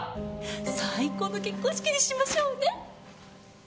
最高の結婚式にしましょうね！